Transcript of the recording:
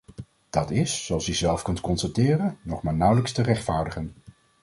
Dat is, zoals u zelf kunt constateren, nog maar nauwelijks te rechtvaardigen.